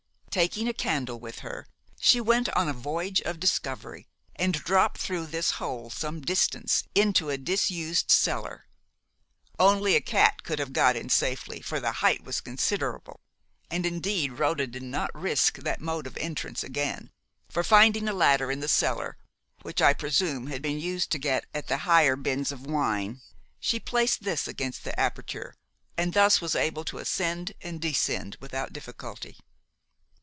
Taking a candle with her, she went on a voyage of discovery, and dropped through this hole some distance into a disused cellar. Only a cat could have got in safely, for the height was considerable; and, indeed, Rhoda did not risk that mode of entrance again, for, finding a ladder in the cellar, which, I presume, had been used to get at the higher bins of wine, she placed this against the aperture, and thus was enabled to ascend and descend without difficulty.